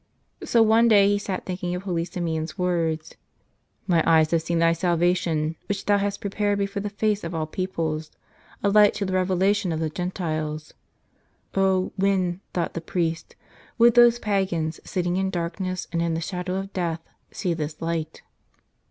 So one day he sat thinking of holy Simeon's words, "My eyes have seen Thy salvation, which Thou hast prepared before the face of all peoples: a light to the revelation of the Gentiles." Oh, when, thought the priest, would those pagans, sitting in darkness and in the shadow of death, see this light?